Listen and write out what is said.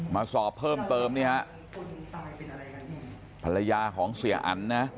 มาสอบเพิ่มเติมภรรยาของเสี่ยอัน